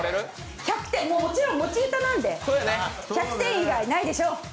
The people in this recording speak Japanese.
１００点、もちろん、持ち歌なんで、１００点以外ないでしょう。